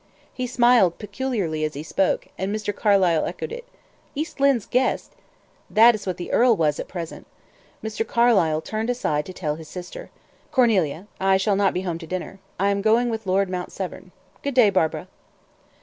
He smiled peculiarly as he spoke, and Mr. Carlyle echoed it. East Lynne's guest! That is what the earl was at present. Mr. Carlyle turned aside to tell his sister. "Cornelia, I shall not be home to dinner; I am going with Lord Mount Severn. Good day, Barbara."